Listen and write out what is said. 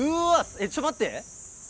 えっちょっと待って。